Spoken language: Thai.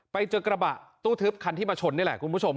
ไปเจอกระบะตู้ทึบคันที่มาชนนี่แหละคุณผู้ชม